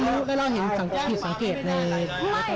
แล้วก็แม่พ้าก็ลงโรงรถตู้แล้วเขาก็ซื้อ